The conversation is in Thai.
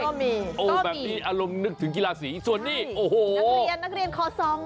ก็มีแบบนี้อารมณ์นึกถึงกีฬาสีส่วนนี้โอ้โหนักเรียนคอซอง